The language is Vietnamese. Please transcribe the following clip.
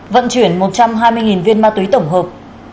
vận chuyển một trăm hai mươi viên ma túy tổng hợp